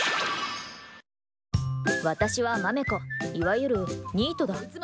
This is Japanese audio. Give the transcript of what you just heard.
私は、まめこ。いわゆるニートだ。